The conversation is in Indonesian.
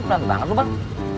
habar banget lu bang